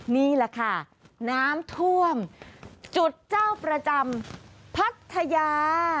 นี่แหละค่ะน้ำท่วมจุดเจ้าประจำพัทยา